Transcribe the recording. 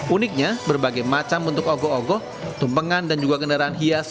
uniknya berbagai macam bentuk ogo ogoh tumpengan dan juga kendaraan hias